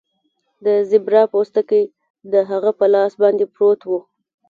د زیبرا پوستکی د هغه په لاس باندې پروت و